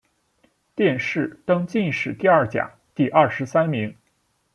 殿试登进士第二甲第二十三名。